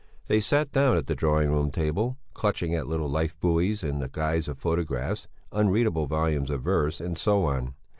They sat down at the drawing room table, clutching at life buoys in the guise of photographs, unreadable volumes of verse, and so on.